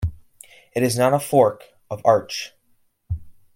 It is not a fork of Arch.